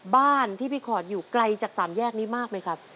บ้านที่พี่ขอดอยู่ไกลจากสามแยกนี้มากไหมครับ